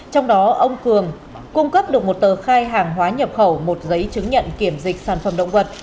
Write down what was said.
trong đó ông cường cung cấp được một tờ khai hàng hóa nhập khẩu một giấy chứng nhận kiểm dịch sản phẩm động vật